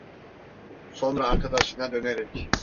Sonra arkadaşına dönerek: